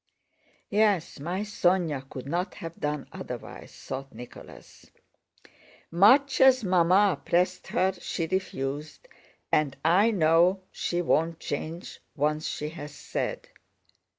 "Yes, my Sónya could not have done otherwise!" thought Nicholas. "Much as Mamma pressed her, she refused, and I know she won't change once she has said..."